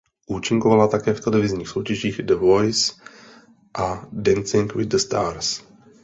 Účinkovala také v televizních soutěžích "The Voice" a "Dancing with the Stars".